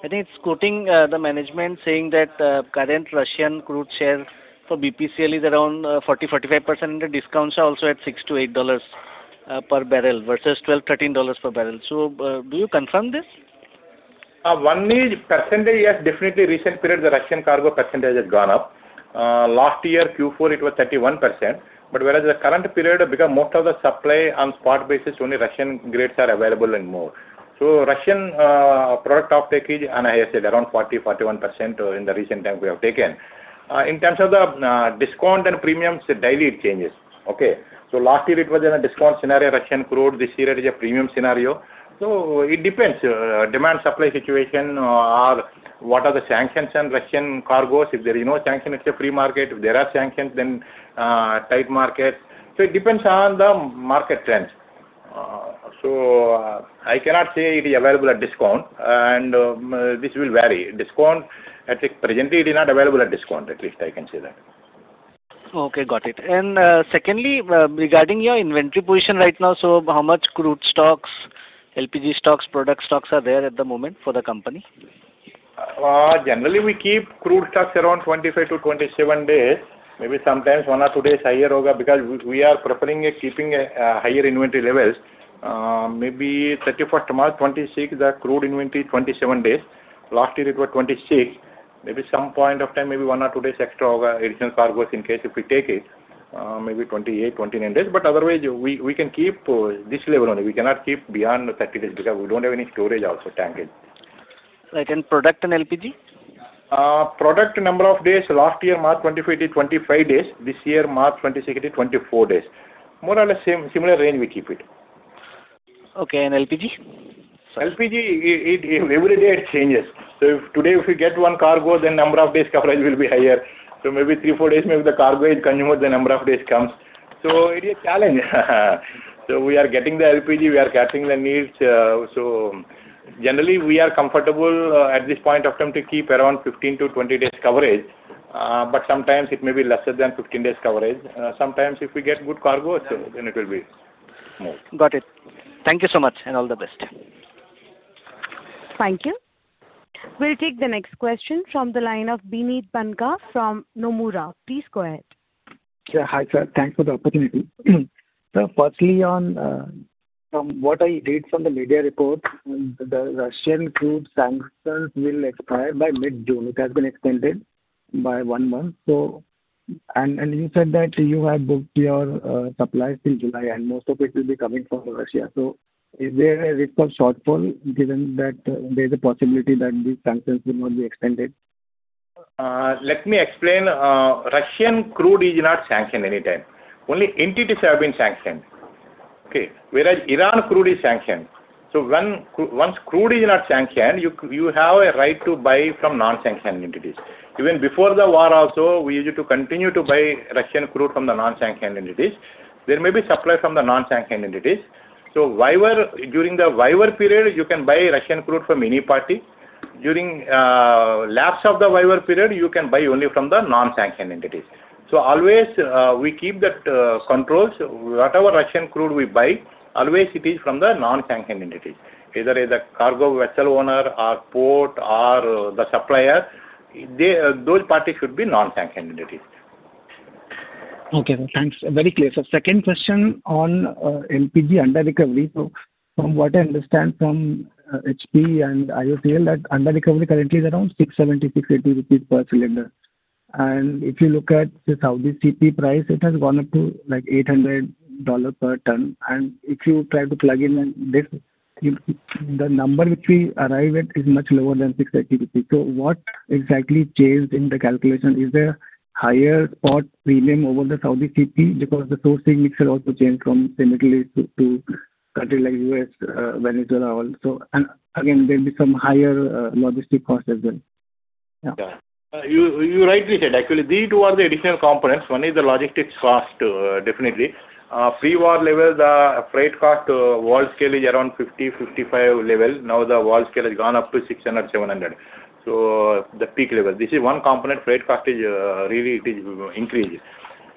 Speaker 10: I think it's quoting the management saying that current Russian crude share for BPCL is around 40%-45%, and the discounts are also at $6-$8 per barrel versus $12-$13 per barrel. Do you confirm this?
Speaker 4: One is percentage, yes, definitely recent period the Russian cargo percentage has gone up. Last year Q4 it was 31%, whereas the current period because most of the supply on spot basis only Russian grades are available and more. Russian product offtake is, and I said around 40%-41% in the recent time we have taken. In terms of the discount and premiums, daily it changes. Okay? Last year it was in a discount scenario, Russian crude. This year it is a premium scenario. It depends, demand supply situation or what are the sanctions on Russian cargos. If there is no sanction, it's a free market. If there are sanctions, then tight market. It depends on the market trends. I cannot say it is available at discount, and this will vary. Discount, I think presently it is not available at discount, at least I can say that.
Speaker 10: Okay, got it. Secondly, regarding your inventory position right now, how much crude stocks, LPG stocks, product stocks are there at the moment for the company?
Speaker 4: Generally we keep crude stocks around 25-27 days. Maybe sometimes one or two days higher over because we are preferring, keeping higher inventory levels. Maybe March 31st, 2026, the crude inventory 27 days. Last year it was 26. Maybe some point of time, maybe one or two days extra over additional cargoes in case if we take it, maybe 28 days, 29 days. Otherwise we can keep this level only. We cannot keep beyond 30 days because we don't have any storage also, tankage.
Speaker 10: Right. Product and LPG?
Speaker 4: Product number of days last year March 25th is 25 days. This year, March 26th is 24 days. More or less same, similar range we keep it.
Speaker 10: Okay, and LPG?
Speaker 4: LPG, every day it changes. If today if we get one cargo, then number of days coverage will be higher. Maybe three, fourdays, maybe the cargo is consumed, the number of days comes. It is a challenge. Generally we are comfortable at this point of time to keep around 15-20 days coverage, but sometimes it may be lesser than 15 days coverage. Sometimes if we get good cargo, then it will be more.
Speaker 10: Got it. Thank you so much, and all the best.
Speaker 1: Thank you. We'll take the next question from the line of Bineet Banka from Nomura. Please go ahead.
Speaker 11: Yeah, hi, sir. Thanks for the opportunity. Sir, firstly on, from what I read from the media report, the Russian crude sanctions will expire by mid-June. It has been extended by one month. And you said that you have booked your supply till July, and most of it will be coming from Russia. Is there a risk of shortfall given that there's a possibility that these sanctions will not be extended?
Speaker 4: Let me explain. Russian crude is not sanctioned any time. Only entities have been sanctioned. Okay. Whereas Iran crude is sanctioned. When once crude is not sanctioned, you have a right to buy from non-sanctioned entities. Even before the war also, we used to continue to buy Russian crude from the non-sanctioned entities. There may be supply from the non-sanctioned entities. Waiver, during the waiver period, you can buy Russian crude from any party. During lapse of the waiver period, you can buy only from the non-sanctioned entities. Always, we keep that controls. Whatever Russian crude we buy, always it is from the non-sanctioned entities. Either is a cargo vessel owner or port or the supplier, they, those parties should be non-sanctioned entities.
Speaker 11: Okay, sir. Thanks. Very clear, sir. Second question on LPG under recovery. From what I understand from HP and IOCL, that under recovery currently is around 670 rupees, 680 rupees per cylinder. If you look at the Saudi CP price, it has gone up to, like, $800 per ton. If you try to plug in this, the number which we arrive at is much lower than 680 rupees. What exactly changed in the calculation? Is there higher port premium over the Saudi CP? The sourcing mixture also changed from the Middle East to country like U.S., Venezuela also. Again, there'll be some higher logistic cost as well. Yeah.
Speaker 4: Yeah. You rightly said it. Actually, these two are the additional components. One is the logistics cost, definitely. Pre-war level, the freight cost, Worldscale is around 50, 55 level. Now the Worldscale has gone up to 600, 700. The peak level. This is one component, freight cost is, really it is, increases.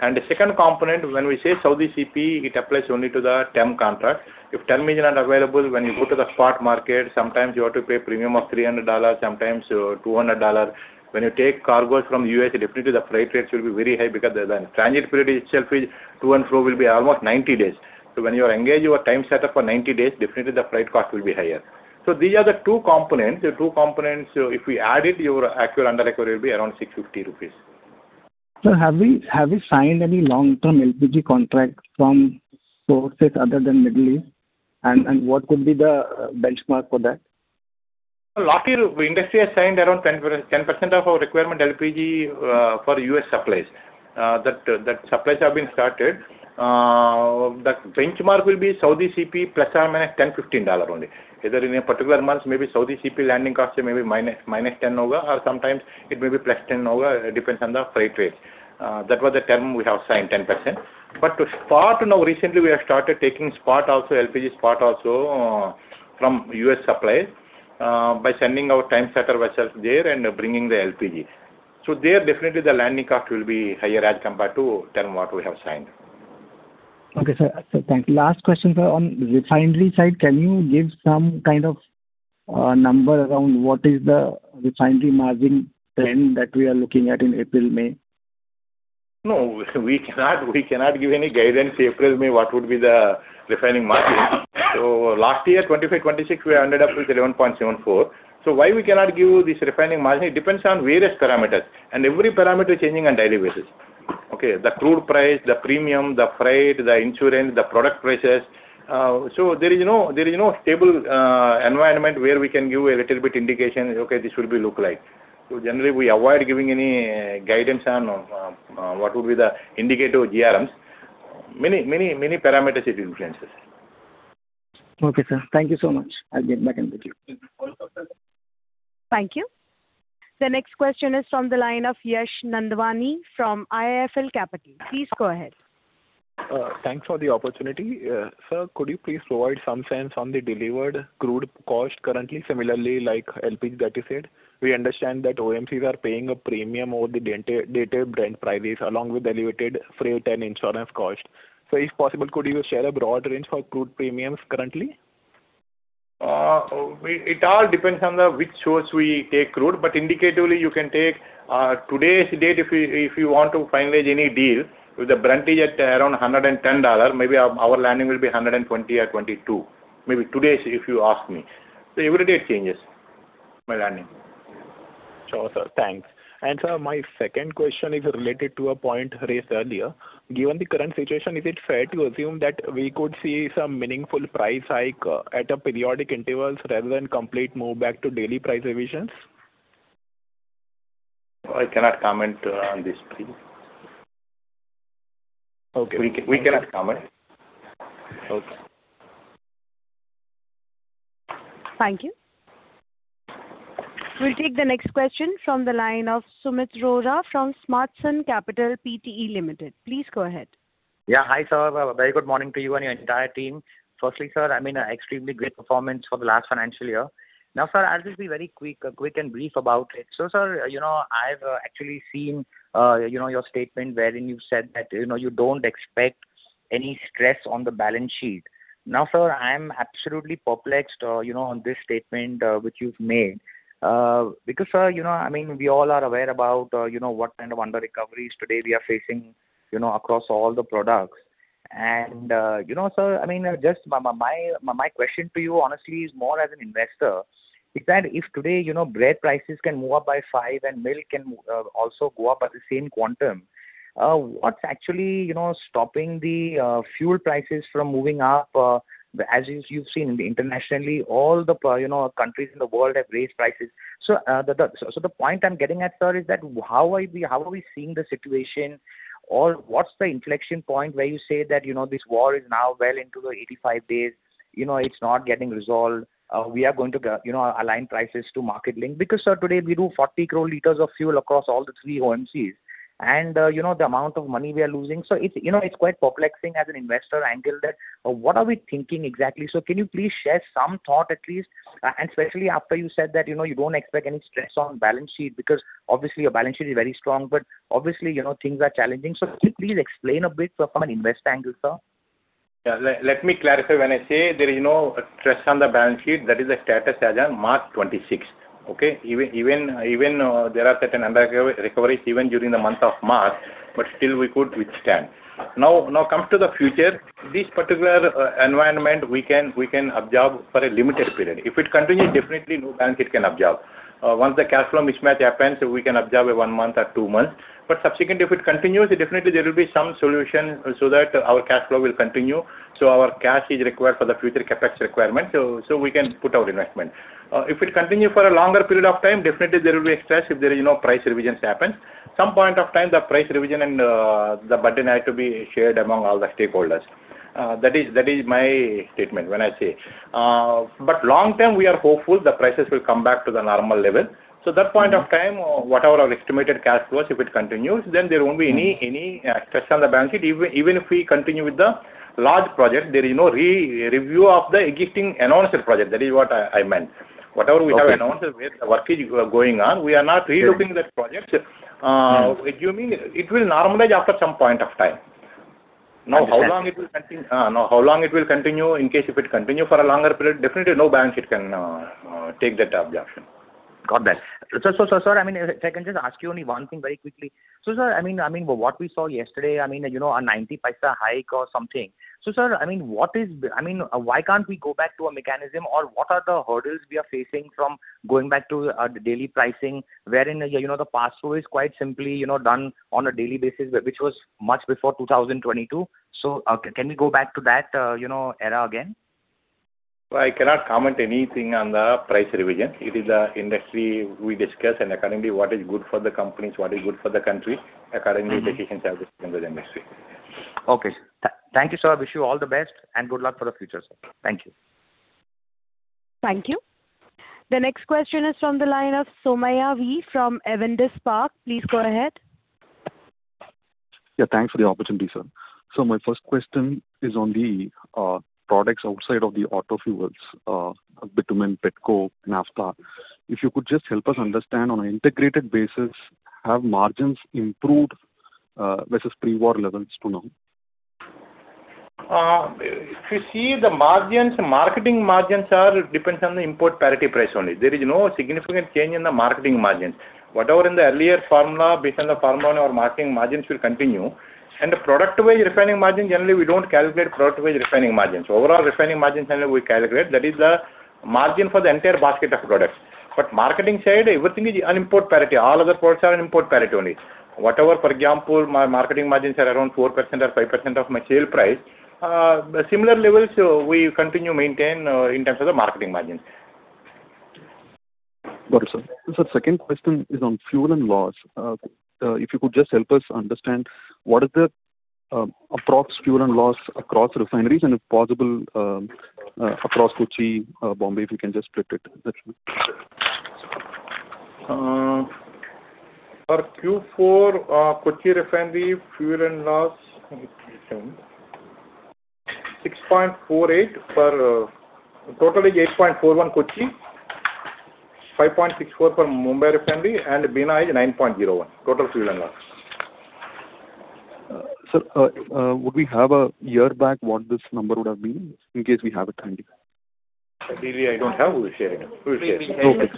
Speaker 4: The second component, when we say Saudi CP, it applies only to the term contract. If term is not available, when you go to the spot market, sometimes you have to pay premium of $300, sometimes, $200. When you take cargoes from U.S., definitely the freight rates will be very high because the transit period itself is to and fro will be almost 90 days. When you engage your time setup for 90 days, definitely the freight cost will be higher. These are the two components. The two components, if we add it, your actual under recovery will be around 650 rupees.
Speaker 11: Sir, have you signed any long-term LPG contract from sources other than Middle East? What could be the benchmark for that?
Speaker 4: Last year, industry has signed around 10% of our requirement LPG for U.S. supplies. That supplies have been started. The benchmark will be Saudi CP ±$10-$15 only. Either in a particular month, maybe Saudi CP landing cost may be -10% over, or sometimes it may be +10% over. It depends on the freight rates. That was the term we have signed 10%. Spot now, recently we have started taking spot also, LPG spot also, from U.S. suppliers by sending our time charter vessels there and bringing the LPG. There definitely the landing cost will be higher as compared to term what we have signed.
Speaker 11: Okay, sir. Thank you. Last question, sir. On refinery side, can you give some kind of number around what is the refinery margin trend that we are looking at in April, May?
Speaker 4: No, we cannot give any guidance April, May, what would be the refining margin. Last year, 2025, 2026, we ended up with $11.74. Why we cannot give you this refining margin, it depends on various parameters, and every parameter is changing on daily basis. The crude price, the premium, the freight, the insurance, the product prices. There is no stable environment where we can give a little bit indication, okay, this will be look like. Generally we avoid giving any guidance on what would be the indicative GRMs. Many parameters it influences.
Speaker 11: Okay, sir. Thank you so much. I'll get back in with you.
Speaker 1: Thank you. Thank you. The next question is from the line of Yash Nandwani from IIFL Capital. Please go ahead.
Speaker 12: Thanks for the opportunity. Sir, could you please provide some sense on the delivered crude cost currently similarly like LPG that you said? We understand that OMCs are paying a premium over the dated Brent prices along with the elevated freight and insurance cost. If possible, could you share a broad range for crude premiums currently?
Speaker 4: It all depends on which source we take crude, but indicatively you can take today's date if you want to finalize any deal with Brent is at around $110, maybe our landing will be $120 or $122. Maybe today's if you ask me. Every day it changes, my landing.
Speaker 12: Sure, sir. Thanks. Sir, my second question is related to a point raised earlier. Given the current situation, is it fair to assume that we could see some meaningful price hike, at a periodic intervals rather than complete move back to daily price revisions?
Speaker 4: I cannot comment on this, please.
Speaker 12: Okay.
Speaker 4: We cannot comment.
Speaker 12: Okay.
Speaker 1: Thank you. We'll take the next question from the line of Sumeet Rohra from Smartsun Capital Pte Limited. Please go ahead.
Speaker 13: Yeah. Hi, sir. A very good morning to you and your entire team. Firstly, sir, I mean, extremely great performance for the last financial year. Sir, I'll just be very quick and brief about it. Sir, you know, I've actually seen, you know, your statement wherein you said that, you know, you don't expect any stress on the balance sheet. Sir, I am absolutely perplexed, you know, on this statement which you've made. Because, sir, you know, I mean, we all are aware about, you know, what kind of under recoveries today we are facing, you know, across all the products. You know, sir, I mean, just my, my question to you honestly is more as an investor is that if today, you know, bread prices can move up by 5 and milk can also go up at the same quantum, what's actually, you know, stopping the fuel prices from moving up? As you've seen internationally, all the, you know, countries in the world have raised prices. The point I'm getting at, sir, is that how are we, how are we seeing the situation, or what's the inflection point where you say that, you know, this war is now well into the 85 days, you know, it's not getting resolved? We are going to, you know, align prices to market link. Sir, today we do 40 crore L of fuel across all the three OMCs, and, you know, the amount of money we are losing. It's, you know, it's quite perplexing as an investor angle that what are we thinking exactly? Can you please share some thought at least, and especially after you said that, you know, you don't expect any stress on balance sheet, because obviously your balance sheet is very strong, but obviously, you know, things are challenging. Can you please explain a bit from an investor angle, sir?
Speaker 4: Let me clarify. When I say there is no stress on the balance sheet, that is the status as on March 2026. Okay. Even there are certain under recoveries even during the month of March, but still we could withstand. Now come to the future. This particular environment we can absorb for a limited period. If it continues, definitely no balance sheet can absorb. Once the cash flow mismatch happens, we can absorb it one month or two months. Subsequently, if it continues, definitely there will be some solution so that our cash flow will continue. Our cash is required for the future CapEx requirement, we can put our investment. If it continue for a longer period of time, definitely there will be a stress if there is no price revisions happens. Some point of time, the price revision and the burden has to be shared among all the stakeholders. That is my statement when I say. Long term, we are hopeful the prices will come back to the normal level. That point of time, whatever our estimated cash flows, if it continues, then there won't be any stress on the balance sheet. Even if we continue with the large projects, there is no re-review of the existing announced project. That is what I meant.
Speaker 13: Okay.
Speaker 4: Whatever we have announced, where the work is going on, we are not relooking that project. Assuming it will normalize after some point of time.
Speaker 13: Understood.
Speaker 4: Now, how long it will continue, in case if it continue for a longer period, definitely no balance sheet can take that absorption.
Speaker 13: Got that. Sir, I mean, if I can just ask you only one thing very quickly. Sir, I mean, what we saw yesterday, I mean, you know, an 0.90 hike or something. Sir, I mean, what is, I mean, why can't we go back to a mechanism or what are the hurdles we are facing from going back to daily pricing wherein, you know, the pass-through is quite simply, you know, done on a daily basis, which was much before 2022. Can we go back to that, you know, era again?
Speaker 4: I cannot comment anything on the price revision. It is a industry we discuss, and accordingly, what is good for the companies, what is good for the country, accordingly decisions have to come with the industry.
Speaker 13: Okay, sir. Thank you, sir. Wish you all the best and good luck for the future, sir. Thank you.
Speaker 1: Thank you. The next question is from the line of Somaiah Valliyappan from Avendus Spark. Please go ahead.
Speaker 14: Yeah. Thanks for the opportunity, sir. My first question is on the products outside of the auto fuels, bitumen, petcoke, naphtha. If you could just help us understand on an integrated basis, have margins improved versus pre-war levels to now?
Speaker 4: If you see the margins, marketing margins are depends on the import parity price only. There is no significant change in the marketing margins. Whatever in the earlier formula, based on the formula, our marketing margins will continue. Product-wise refining margin, generally we don't calculate product-wise refining margins. Overall refining margins only we calculate. That is the margin for the entire basket of products. Marketing side, everything is on import parity. All other products are on import parity only. Whatever, for example, my marketing margins are around 4% or 5% of my sale price. Similar levels we continue maintain in terms of the marketing margins.
Speaker 14: Got it, sir. Sir, second question is on fuel and loss. If you could just help us understand, what is the approx fuel and loss across refineries, and if possible, across Kochi, Bombay? If you can just split it, that's all.
Speaker 4: For Q4, Kochi Refinery fuel and loss, 6.48 for totally 8.41 Kochi, 5.64 for Mumbai Refinery and Bina is 9.01, total fuel and loss.
Speaker 14: Sir, would we have a year back what this number would have been, in case we have it? Thank you.
Speaker 4: Actually, I don't have. We'll share it. We'll share it.
Speaker 14: Okay.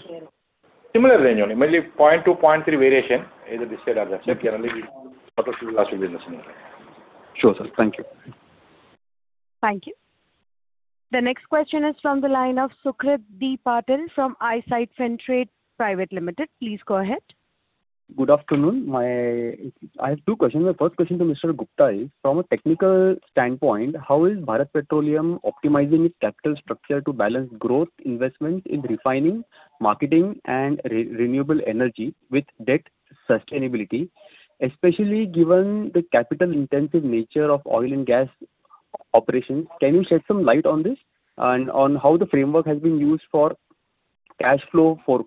Speaker 4: Similar range only. Mainly 0.2, 0.3 variation is the share of the sector only. Total fuel and loss will be less than that.
Speaker 14: Sure, sir. Thank you.
Speaker 1: Thank you. The next question is from the line of Sucrit D. Patil from Eyesight Fintrade Private Ltd. Please go ahead.
Speaker 15: Good afternoon. I have two questions. My first question to Mr. Gupta is, from a technical standpoint, how is Bharat Petroleum optimizing its capital structure to balance growth investments in refining, marketing and renewable energy with debt sustainability, especially given the capital-intensive nature of oil and gas operations? Can you shed some light on this and on how the framework has been used for cash flow for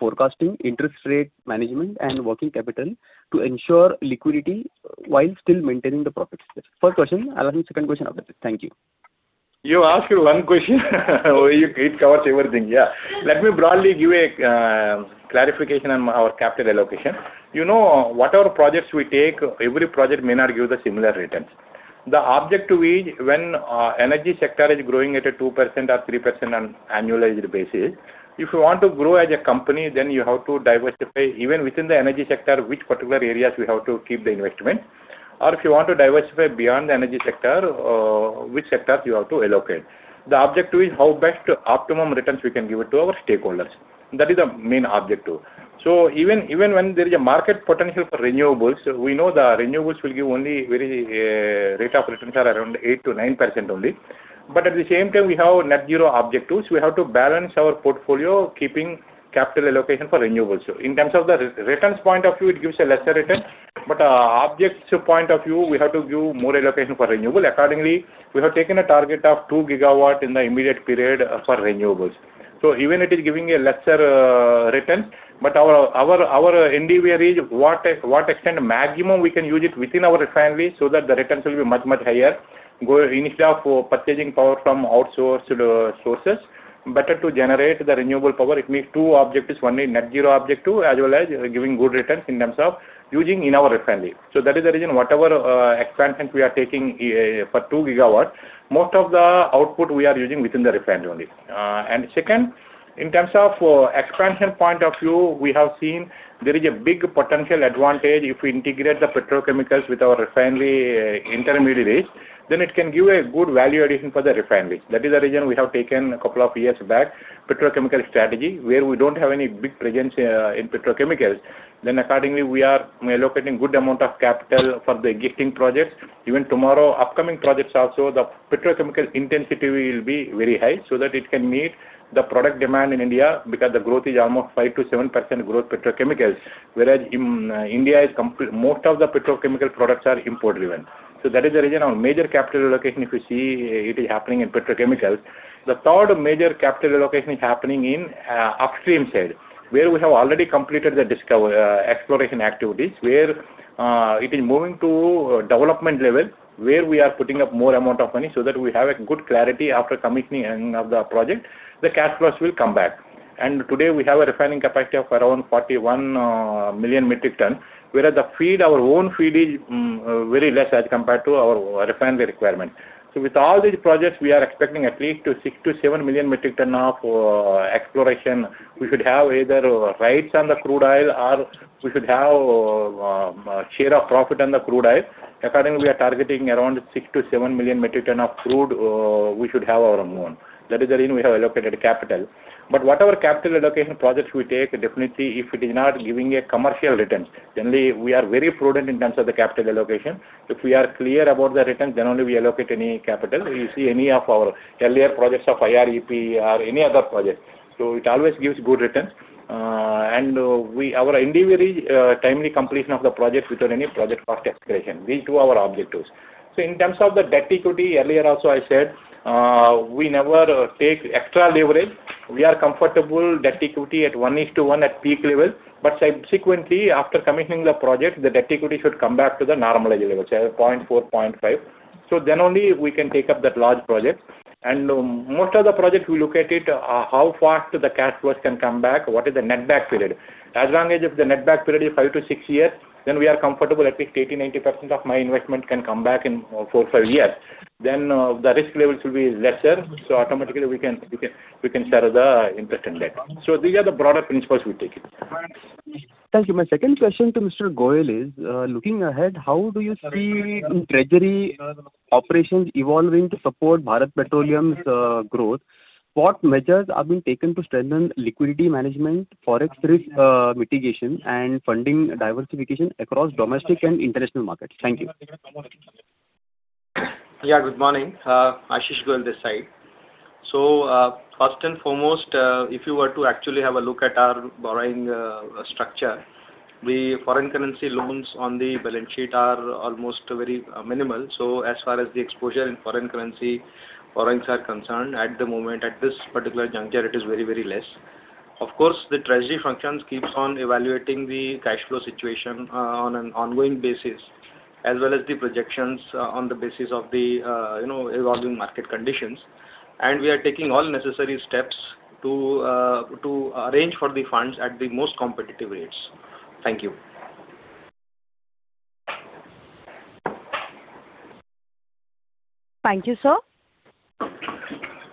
Speaker 15: forecasting interest rate management and working capital to ensure liquidity while still maintaining the profits? First question. I will ask the second question after this. Thank you.
Speaker 4: You ask one question, you, it covers everything. Let me broadly give a clarification on our capital allocation. You know, whatever projects we take, every project may not give the similar returns. The objective is when energy sector is growing at a 2% or 3% on annualized basis, if you want to grow as a company, then you have to diversify even within the energy sector, which particular areas we have to keep the investment, or if you want to diversify beyond the energy sector, which sectors you have to allocate. The objective is how best optimum returns we can give it to our stakeholders. That is the main objective. Even, even when there is a market potential for renewables, we know the renewables will give only very rate of returns are around 8%-9% only. At the same time we have net zero objectives. We have to balance our portfolio keeping capital allocation for renewables. In terms of the returns point of view, it gives a lesser return. Objective point of view, we have to give more allocation for renewables. Accordingly, we have taken a target of 2 GW in the immediate period for renewables. Even it is giving a lesser return, our endeavor is what extent maximum we can use it within our refinery so that the returns will be much higher. Instead of purchasing power from outsourced sources, better to generate the renewable power. It means two objectives. One is net zero objective, as well as giving good returns in terms of using in our refinery. That is the reason whatever expansions we are taking for 2 GW, most of the output we are using within the refinery only. Second, in terms of expansion point of view, we have seen there is a big potential advantage if we integrate the petrochemicals with our refinery intermediaries, then it can give a good value addition for the refineries. That is the reason we have taken a couple of years back petrochemical strategy, where we don't have any big presence in petrochemicals. Accordingly, we are allocating good amount of capital for the existing projects. Even tomorrow, upcoming projects also, the petrochemical intensity will be very high, so that it can meet the product demand in India because the growth is almost 5%-7% growth petrochemicals, whereas in India is most of the petrochemical products are import driven. That is the reason our major capital allocation, if you see, it is happening in petrochemicals. The third major capital allocation is happening in upstream side, where we have already completed the exploration activities, where it is moving to development level, where we are putting up more amount of money so that we have a good clarity after commissioning of the project, the cash flows will come back. Today we have a refining capacity of around 41 million metric ton, whereas the feed, our own feed is very less as compared to our refinery requirement. With all these projects, we are expecting at least 6-7 million metric ton of exploration. We should have either rights on the crude oil or we should have share of profit on the crude oil. Accordingly, we are targeting around 6-7 million metric tons of crude, we should have our own. That is the reason we have allocated capital. Whatever capital allocation projects we take, definitely if it is not giving a commercial returns, generally we are very prudent in terms of the capital allocation. If we are clear about the returns, then only we allocate any capital. You see any of our earlier projects of IREP or any other project. It always gives good returns. And our endeavor is timely completion of the project without any project cost escalation. These two are our objectives. In terms of the debt equity, earlier also I said, we never take extra leverage. We are comfortable debt equity at 1:1 at peak level. Subsequently, after commissioning the project, the debt equity should come back to the normalized level, say 0.4, 0.5. Then only we can take up that large project. Most of the projects we look at it, how fast the cash flows can come back? What is the net back period? As long as if the net back period is 5-6 years, then we are comfortable at least 80%, 90% of my investment can come back in four, five years. Then the risk levels will be lesser. Automatically we can share the interest and debt. These are the broader principles we take it.
Speaker 15: Thank you. My second question to Mr. Goyal is, looking ahead, how do you see treasury operations evolving to support Bharat Petroleum's growth? What measures are being taken to strengthen liquidity management, forex risk mitigation and funding diversification across domestic and international markets? Thank you.
Speaker 16: Good morning. Ashish Goyal this side. First and foremost, if you were to actually have a look at our borrowing structure, the foreign currency loans on the balance sheet are almost very minimal. As far as the exposure in foreign currency borrowings are concerned, at the moment, at this particular juncture, it is very, very less. Of course, the treasury functions keeps on evaluating the cash flow situation on an ongoing basis, as well as the projections on the basis of the, you know, evolving market conditions. We are taking all necessary steps to arrange for the funds at the most competitive rates. Thank you.
Speaker 1: Thank you, sir.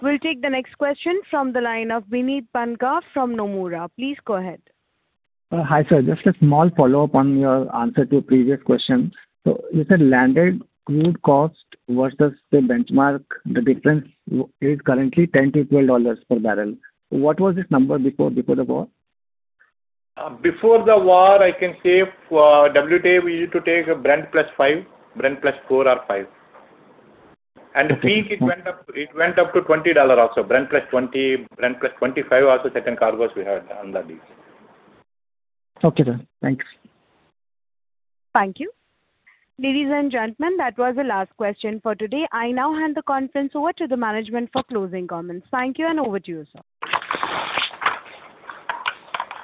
Speaker 1: We'll take the next question from the line of Bineet Banka from Nomura. Please go ahead.
Speaker 11: Hi, sir. Just a small follow-up on your answer to a previous question. You said landed crude cost versus the benchmark, the difference is currently $10-$12 per barrel. What was this number before the war?
Speaker 4: Before the war, I can say for WTI, we used to take Brent +5, Brent +4 or 5. Peak, it went up to $20 also. Brent +$20, Brent +$25 also certain cargoes we had on the deals.
Speaker 11: Okay, sir. Thanks.
Speaker 1: Thank you. Ladies and gentlemen, that was the last question for today. I now hand the conference over to the management for closing comments. Thank you and over to you, sir.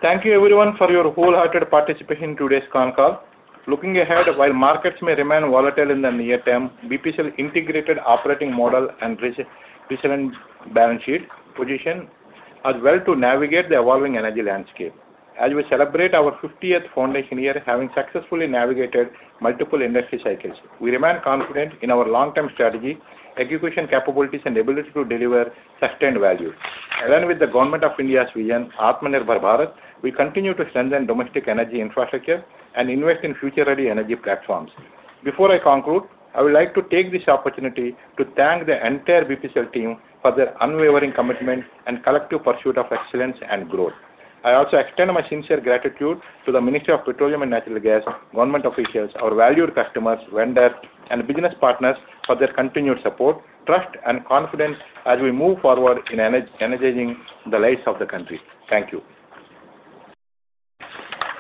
Speaker 4: Thank you everyone for your wholehearted participation in today's con call. Looking ahead, while markets may remain volatile in the near term, BPCL integrated operating model and resilient balance sheet position are well to navigate the evolving energy landscape. As we celebrate our 50th foundation year, having successfully navigated multiple industry cycles, we remain confident in our long-term strategy, execution capabilities, and ability to deliver sustained value. Aligned with the Government of India's vision, Atmanirbhar Bharat, we continue to strengthen domestic energy infrastructure and invest in future-ready energy platforms. Before I conclude, I would like to take this opportunity to thank the entire BPCL team for their unwavering commitment and collective pursuit of excellence and growth. I also extend my sincere gratitude to the Ministry of Petroleum and Natural Gas, government officials, our valued customers, vendors, and business partners for their continued support, trust, and confidence as we move forward in energizing the lives of the country. Thank you.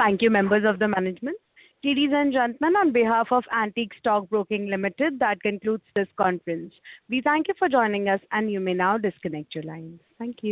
Speaker 1: Thank you, members of the management. Ladies and gentlemen, on behalf of Antique Stock Broking Limited, that concludes this conference. We thank you for joining us, and you may now disconnect your lines. Thank you.